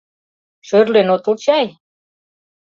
— Шӧрлен отыл чай?